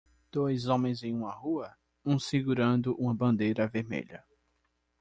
Dois homens em uma rua? um segurando uma bandeira vermelha.